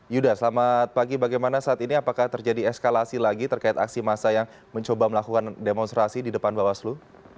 yuda selamat pagi bagaimana saat ini apakah terjadi eskalasi lagi terkait aksi massa yang mencoba melakukan demonstrasi di depan bawaslu